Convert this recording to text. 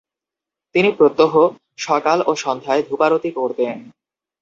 তিনি প্রত্যহ সকাল ও সন্ধ্যায় ধূপারতি করতেন।